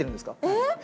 えっ？